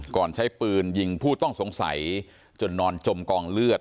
ใช้ปืนยิงผู้ต้องสงสัยจนนอนจมกองเลือด